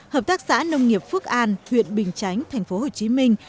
hợp tác xã nông nghiệp phước an huyện bình chánh thành phố hồ chí minh